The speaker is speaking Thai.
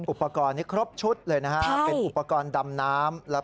อุปกรณ์นี้ครบชุดเลยนะฮะเป็นอุปกรณ์ดำน้ำ